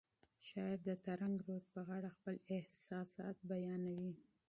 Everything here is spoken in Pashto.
شاعر د ترنګ رود په غاړه خپل احساسات بیانوي.